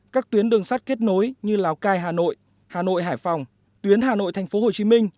các tuyến đường sắt kết nối như lào cai hà nội hà nội hải phòng tuyến hà nội thhcm